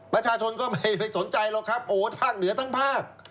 ประชาชนก็ไม่ได้ไปสนใจหรอกครับโอ้ภาคเหนือทั้งภาค